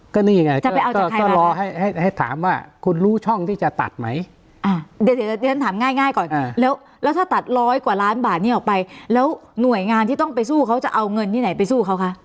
ก็นี่ไงจะไปเอาจากใครจะรอให้ให้ถามว่าคุณรู้ช่องที่จะตัดไหมเดี๋ยวฉันถามง่ายก่อนแล้วแล้วถ้าตัดร้อยกว่าล้านบาทนี้ออกไปแล้วหน่วยงานที่ต้องไปสู้เขาจะเอาเงินที่ไหนไปสู้เขาคะ